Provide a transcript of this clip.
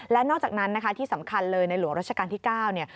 และนอกจากนั้นนะคะที่สำคัญเลยในหลวงราชการที่๙เนี่ย